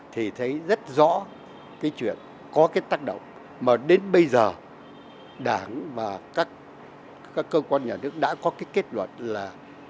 thì thấy rất rõ cái chuyện có cái tác động mà đến bây giờ đảng và các cơ quan nhà nước đã có cái kết luận là